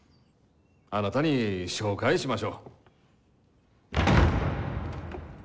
あなたに紹介しましょう。